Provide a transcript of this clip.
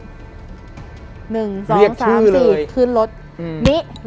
เรียกชื่อเลย